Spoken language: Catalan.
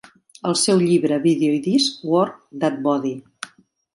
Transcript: El seu llibre, vídeo i disc "Work that body"!